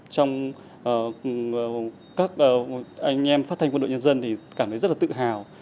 trong các anh em phát thanh quân đội nhân dân thì cảm thấy rất là tự hào